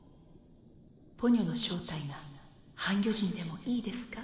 ポニョの正体が半魚人でもいいですか？